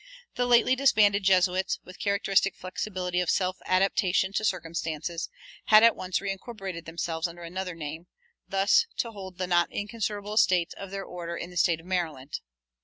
The lately disbanded Jesuits, with characteristic flexibility of self adaptation to circumstances, had at once reincorporated themselves under another name, thus to hold the not inconsiderable estates of their order in the State of Maryland.